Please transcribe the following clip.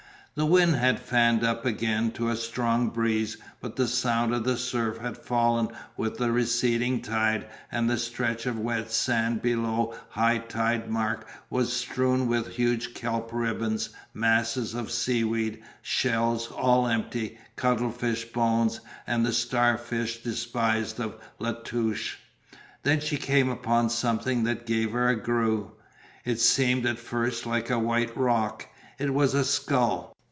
The wind had fanned up again to a strong breeze but the sound of the surf had fallen with the receding tide and the stretch of wet sand below high tide mark was strewn with huge kelp ribbons, masses of seaweed, shells, all empty, cuttle fish bones and the star fish despised of La Touche. Then she came upon something that gave her a grue, it seemed at first like a white rock, it was a skull.